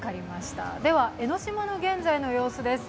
江の島の現在の様子です。